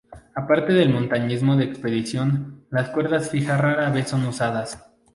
Aparte del montañismo de expedición, las cuerdas fijas rara vez son usadas.